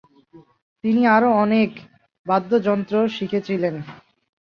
তিনি আরও অনেক বাদ্যযন্ত্র শিখেছিলেন।